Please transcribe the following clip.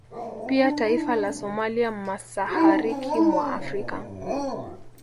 Pia taifa la Somalia masahariki mwa Afrika